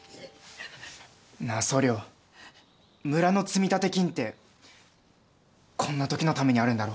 なあ総領村の積立金ってこんなときのためにあるんだろ？